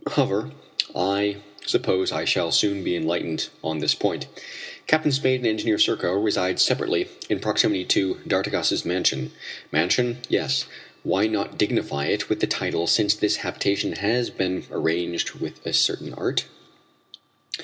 However, I suppose I shall soon be enlightened on this point. Captain Spade and Engineer Serko reside separately in proximity to D'Artigas' mansion. Mansion? Yes, why not dignify it with the title since this habitation has been arranged with a certain art?